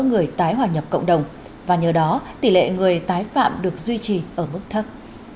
người tái hòa nhập cộng đồng và nhờ đó tỷ lệ người tái phạm được duy trì ở mức thấp